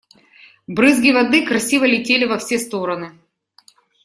Брызги воды красиво летели во все стороны.